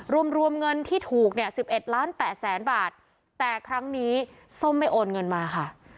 รวมรวมเงินที่ถูกเนี่ย๑๑ล้าน๘แสนบาทแต่ครั้งนี้ส้มไม่โอนเงินมาค่ะ